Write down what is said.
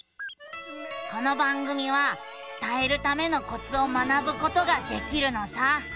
この番組は伝えるためのコツを学ぶことができるのさ。